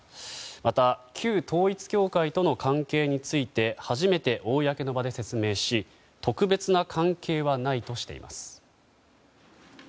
また、旧統一教会との関係について初めて公の場で説明し特別な関係はないとしています。